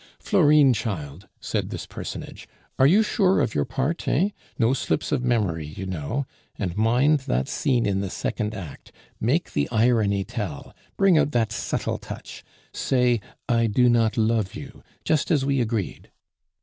"Florine, child," said this personage, "are you sure of your part, eh? No slips of memory, you know. And mind that scene in the second act, make the irony tell, bring out that subtle touch; say, 'I do not love you,' just as we agreed."